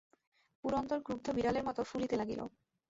পুরন্দর ক্রুদ্ধ বিড়ালের মতো ফুলিতে লাগিল।